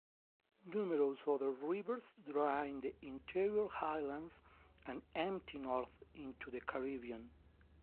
Numerous other rivers drain the interior highlands and empty north into the Caribbean.